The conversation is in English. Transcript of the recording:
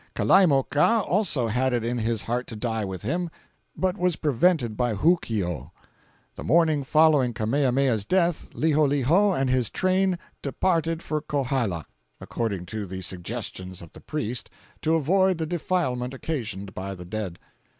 Kalaimoka also had it in his heart to die with him, but was prevented by Hookio. "The morning following Kamehameha's death, Liholiho and his train departed for Kohala, according to the suggestions of the priest, to avoid the defilement occasioned by the dead.